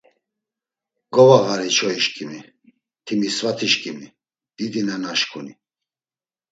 Govağari çoyişǩimi, Timisvatişǩimi, didi nenaşǩuni…